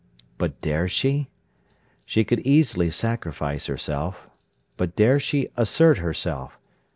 But dare she? She could easily sacrifice herself. But dare she assert herself?